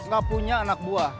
gak punya anak buah